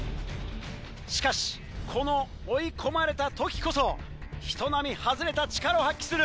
しかしこの追い込まれた時こそ人並み外れた力を発揮する。